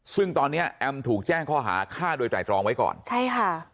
ซึ่งตอนเนี้ยแอมถูกแจ้งข้อหาฆ่าโดยไตรตรองไว้ก่อนใช่ค่ะ